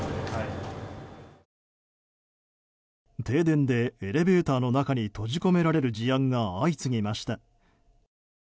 停電でエレベーターの中に閉じ込められる事案が相次ぎました。